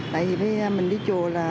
tại vì mình đi chùa là